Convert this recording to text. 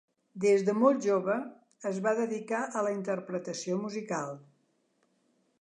Des de molt jove es va dedicar a la interpretació musical.